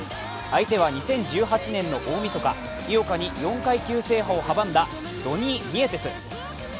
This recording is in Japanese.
相手は２０１８年の大みそか、井岡の４階級制覇を阻んだドニー・ニエテス。